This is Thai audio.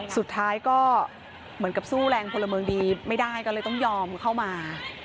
สุดท้ายก็เหมือนกับสู้แรงพลเมืองดีไม่ได้ก็เลยต้องยอมเข้ามา